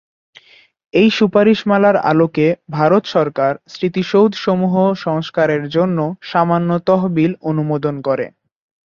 এই সুপারিশমালার আলোকে ভারত সরকার স্মৃতিসৌধসমূহ সংস্কারের জন্য সামান্য তহবিল অনুমোদন করে।